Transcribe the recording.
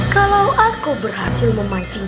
kalau aku berhasil memancing